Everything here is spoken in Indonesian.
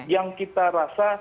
yang kita rasa